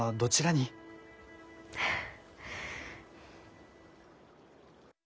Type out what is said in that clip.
フッ。